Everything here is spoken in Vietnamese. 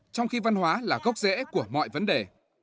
trong khi văn hóa là gốc rễ của mọi vấn đề